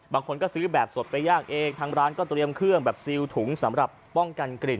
บางคนก็ซื้อแบบสดไปย่างเองทางร้านก็เตรียมเครื่องแบบซิลถุงสำหรับป้องกันกลิ่น